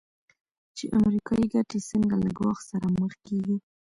چې امریکایي ګټې څنګه له ګواښ سره مخ کېږي.